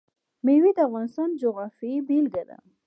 مېوې د افغانستان د جغرافیې بېلګه ده.